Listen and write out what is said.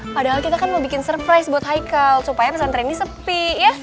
padahal kita kan mau bikin surprise buat hikal supaya pesantren ini sepi ya